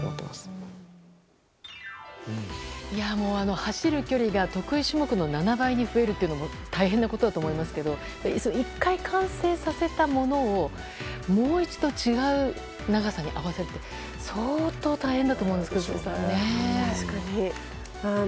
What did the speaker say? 走る距離が得意種目の７倍に増えるっていうのも大変なことだと思いますけど１回完成させたものをもう一度違う長さに合わせるって相当大変だと思うんですが。